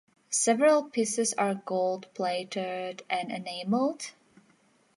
Several pieces are gold plated and enameled.